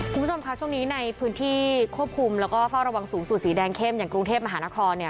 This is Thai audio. คุณผู้ชมค่ะช่วงนี้ในพื้นที่ควบคุมแล้วก็เฝ้าระวังสูงสุดสีแดงเข้มอย่างกรุงเทพมหานครเนี่ย